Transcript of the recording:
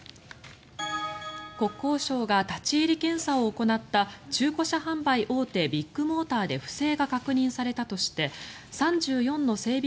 国交省が立ち入り検査を行った中古車販売大手ビッグモーターで不正が確認されたとして３４の整備